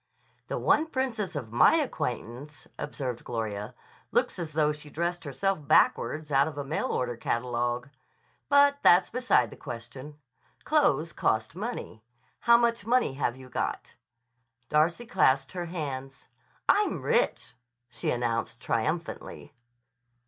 "The one princess of my acquaintance," observed Gloria, "looks as though she dressed herself backwards out of a mail order catalogue. But that's beside the question. Clothes cost money. How much money have you got?" Darcy clasped her hands. "I'm rich," she announced triumphantly.